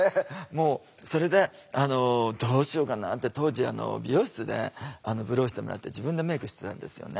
もうそれで「どうしようかな」って当時美容室でブローしてもらって自分でメイクしてたんですよね。